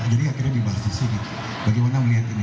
jadi akhirnya dibahas disini bagaimana melihat ini